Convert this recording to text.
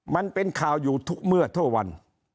มันเป็นข่าวอยู่ทุกเมื่อทั่ววัน